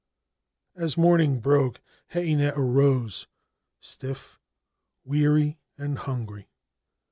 As morning broke Heinei arose stiff, weary, and hungry.